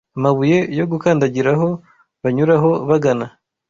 amabuye yo gukandagiraho banyuraho bagana